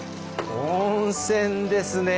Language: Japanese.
温泉ですね。